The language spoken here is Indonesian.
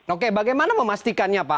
oke bagaimana memastikannya pak